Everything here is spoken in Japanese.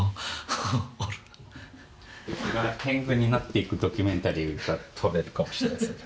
僕がてんぐになっていくドキュメンタリーが撮れるかもしれないですね。